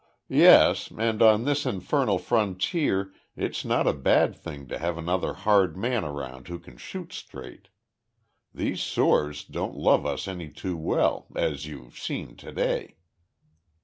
"Yes. And on this infernal frontier it's not a bad thing to have another hard man around who can shoot straight. These soors don't love us any too well as you've seen to day."